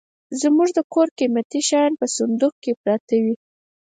زموږ د کور قيمتي شيان په صندوخ کي پراته وي.